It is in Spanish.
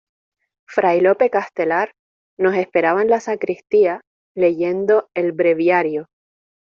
fray Lope Castelar nos esperaba en la sacristía leyendo el breviario.